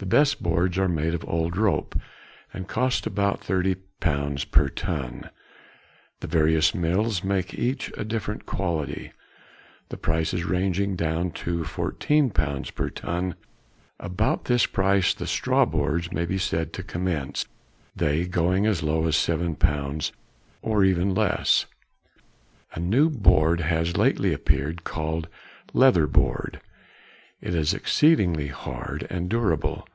The best boards are made of old rope, and cost about £30 per ton. The various mills make each a different quality, the prices ranging down to £14 per ton; about this price the straw boards may be said to commence, they going as low as £7, and even less. A new board has lately appeared called leather board; it is exceedingly hard and durable.